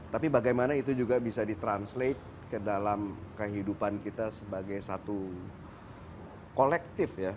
tapi bagaimana itu juga bisa ditranslate ke dalam kehidupan kita sebagai satu kolektif ya